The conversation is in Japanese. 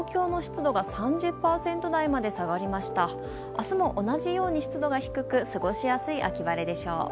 明日も同じように湿度が低く過ごしやすい秋晴れでしょう。